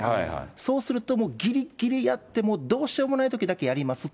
そうすると、もうぎりぎりやって、もうどうしようもないときだけやりますよと。